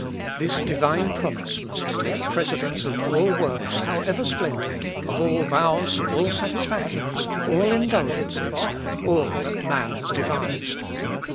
This divine promise must take precedence of all works however splendid, of all vows, all satisfactions, all indulgences, all that man has devised.